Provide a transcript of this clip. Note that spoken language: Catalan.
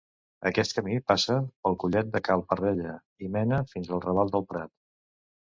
Aquest camí passa pel Collet de Cal Parrella i mena fins al Raval del Prat.